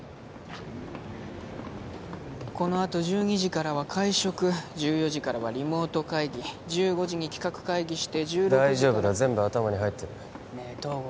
このあと１２時からは会食１４時からはリモート会議１５時に企画会議して１６時から大丈夫だ全部頭に入ってるねえ東郷